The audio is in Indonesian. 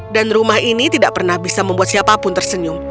dan rumah ini tidak pernah bisa membuat siapapun tersenyum